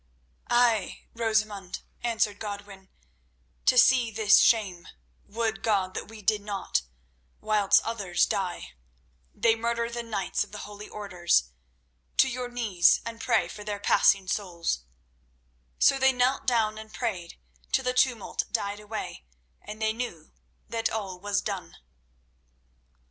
"Ay, Rosamund," answered Godwin, "to see this shame—would God that we did not—whilst others die. They murder the knights of the holy Orders. To your knees and pray for their passing souls." So they knelt down and prayed till the tumult died away, and they knew that all was done.